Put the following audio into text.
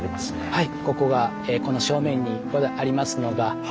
はい。